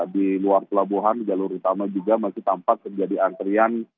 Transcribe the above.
di luar pelabuhan jalur utama juga masih tampak terjadi antrian